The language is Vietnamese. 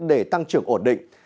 để tăng trưởng ổn định